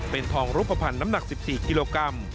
เป็นทองรูปภัณฑ์น้ำหนัก๑๔กิโลกรัม